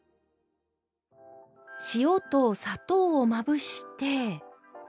塩と砂糖をまぶして。